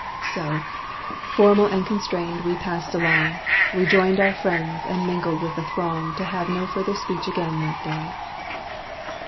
So, formal and constrained, we passed along, Rejoined our friends, and mingled with the throng To have no further speech again that day.